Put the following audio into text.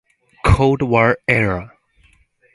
Cold War era.